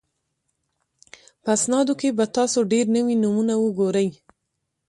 په اسنادو کې به تاسو ډېر نوي نومونه وګورئ